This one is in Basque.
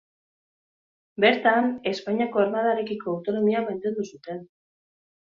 Bertan Espainiako Armadarekiko autonomia mantendu zuten.